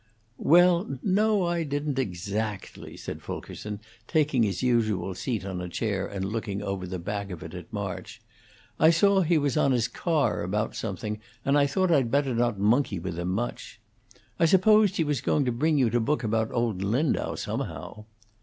"Well, no, I didn't exactly," said Fulkerson, taking his usual seat on a chair and looking over the back of it at March. "I saw he was on his car about something, and I thought I'd better not monkey with him much. I supposed he was going to bring you to book about old Lindau, somehow."